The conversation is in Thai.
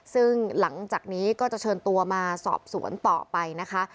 ซึ่งหลังจากนี้ก็จะเชิญตัวมาสอบสวนต่อไปนะคะ